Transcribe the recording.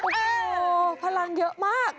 โอ้โหพลังเยอะมาก